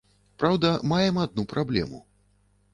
Праўда, маем адну праблему.